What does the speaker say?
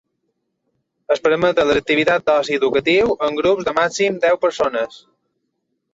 Es permeten les activitats d’oci educatiu amb grups de màxim deu persones.